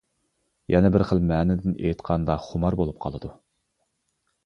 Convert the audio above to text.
يەنە بىر خىل مەنىدىن ئېيتقاندا خۇمار بولۇپ قالىدۇ.